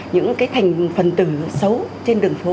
những thành phần từ xấu trên đường phố